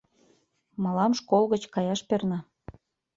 — Мылам школ гыч каяш перна.